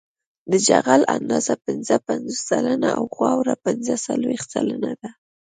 د جغل اندازه پنځه پنځوس سلنه او خاوره پنځه څلویښت سلنه ده